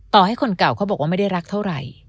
ต่อให้คนเก่าเขาบอกว่าไม่ได้รักเท่าไหร่